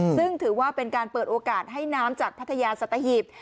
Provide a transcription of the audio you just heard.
ซึ่งถือว่าเป็นการเปิดโอกาสให้น้ำจากพัทยาสัตหีบ